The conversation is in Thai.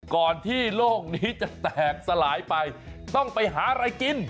ก่อนที่โลกนี้จะแตกสลายไปต้องไปหาอะไรกิน